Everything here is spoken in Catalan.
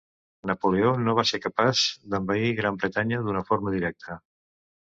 Napoleó no va ser capaç d'envair Gran Bretanya d'una forma directa.